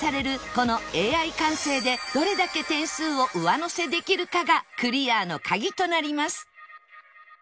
この Ａｉ 感性でどれだけ点数を上乗せできるかがクリアのカギとなります